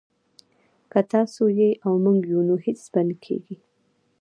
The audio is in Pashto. که تاسو يئ او موږ يو نو هيڅ به نه کېږي